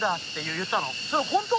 言ったの。